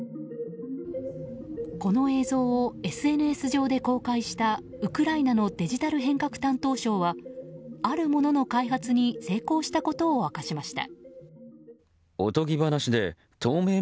この映像をＳＮＳ上で公開したウクライナのデジタル変革担当相はある者の開発に成功したことを明かしました。